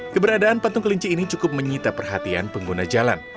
keberadaan patung kelinci ini cukup menyita perhatian pengguna jalan